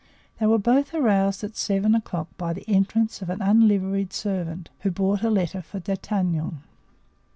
They were both aroused at seven o'clock by the entrance of an unliveried servant, who brought a letter for D'Artagnan.